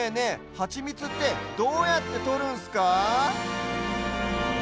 ハチミツってどうやってとるんすか？